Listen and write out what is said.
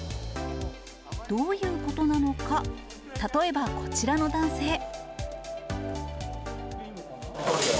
どういうことなのか、例えばこちらの男性。